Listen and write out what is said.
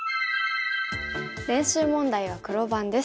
練習問題は黒番です。